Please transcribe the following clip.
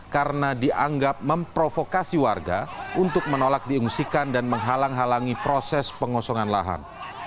karena dianggap memprovokasi warga untuk menolak diungsikan dan menghalang halangi proses pengosongan lahan